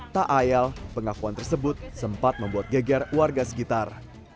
tak ayal pengakuan tersebut sempat membuat geger warga sekitar